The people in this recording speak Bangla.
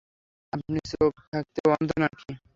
আপনি চোখ থাকতেও অন্ধ নাকি?